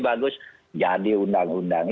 bagus jadi undang undang